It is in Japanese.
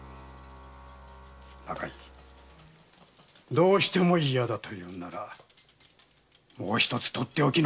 どうしても嫌だと言うのならもう一つとっておきのものを見せてやる。